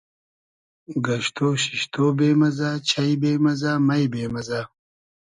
گئشتۉ شیشتۉ بې مئزۂ, چݷ بې مئزۂ, مݷ بې مئزۂ